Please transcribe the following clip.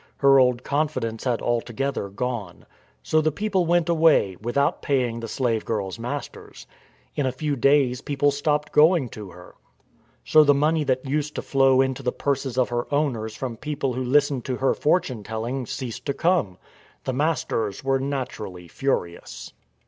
Her old confidence had altogether gone. So the people went away, without paying the slave girl's masters. In a few days people stopped going to her. So the money that used to flow into the purses of her owners from THE SHOUT OF THE SLAVE GIRL 193 people who listened to her fortune telling ceased to come. The masters were naturally furious.